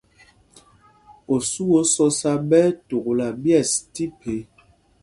Osû ó sɔ̄sā ɓɛ́ ɛ́ tukla ɓyɛ̂ɛs tí phe.